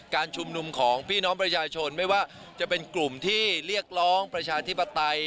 การชุมนุมของพี่น้องประชาชนไม่ว่าจะเป็นกลุ่มที่เรียกร้องประชาธิปไตย